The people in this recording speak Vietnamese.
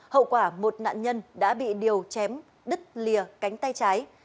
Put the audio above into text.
hậu quả một nạn nhân đã bị điều chém đứt lìa cánh tay trái